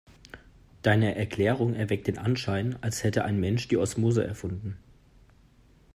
Deine Erklärung erweckt den Anschein, als hätte ein Mensch die Osmose erfunden.